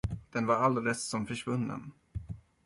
Den var alldeles som försvunnen.